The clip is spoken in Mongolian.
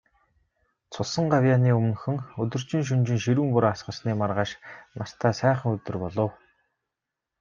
Цусан гавьяаны өмнөхөн, өдөржин, шөнөжин ширүүн бороо асгарсны маргааш нартай сайхан өдөр болов.